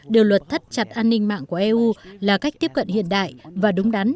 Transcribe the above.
điều luật thắt chặt an ninh mạng của eu là cách tiếp cận hiện đại và đúng đắn